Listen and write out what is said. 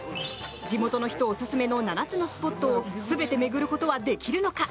地元の人オススメの７つのスポットを全て巡ることはできるのか？